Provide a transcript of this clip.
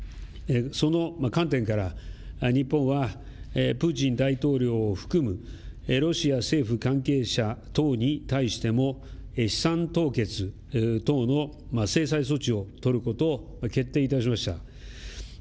その観点から日本はプーチン大統領を含むロシア政府関係者等に対しても資産凍結等の制裁措置を取ることを決定いたしました。